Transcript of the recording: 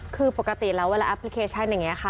คือปกติแล้วเวลาแอปพลิเคชันอย่างนี้ค่ะ